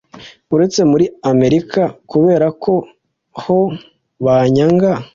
uretse muri Amerka kubera ko ho banyanga